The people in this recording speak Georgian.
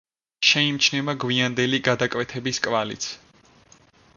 შეიმჩნევა გვიანდელი გადაკეთების კვალიც.